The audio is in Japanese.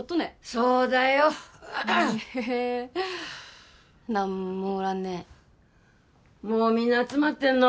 そうだよへえ何もおらんねもうみんな集まってんの？